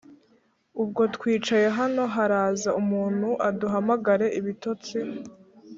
Ubwo twicaye hano haraza umuntu aduhamagare-Ibitotsi.